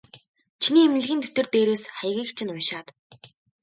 Чиний эмнэлгийн дэвтэр дээрээс хаягийг чинь уншаад.